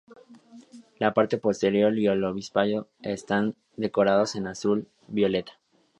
La parte posterior y el obispillo están decorados en azul violeta.